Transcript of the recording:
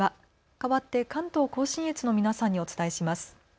かわって関東甲信越の皆さんにお伝えします。